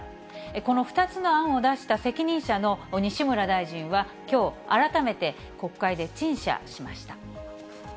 この２つの案を出した責任者の西村大臣はきょう、改めて国会で陳謝しました。